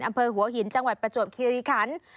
อำเภอหัวหินจังหวัดประจวบคิริคัน